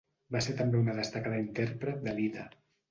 Va ser també una destacada intèrpret de lieder.